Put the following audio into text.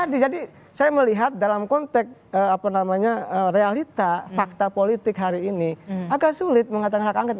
terjadi jadi saya melihat dalam konteks realita fakta politik hari ini agak sulit mengatakan hak angkat